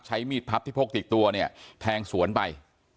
ใช้มีดพับที่พกติดตัวเนี่ยแทงสวนไป